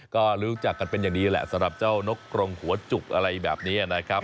ก็รู้จักกันเป็นอย่างดีแหละสำหรับเจ้านกกรงหัวจุกอะไรแบบนี้นะครับ